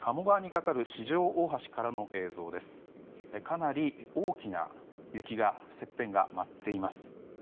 かなり大きな雪が雪片が待っています。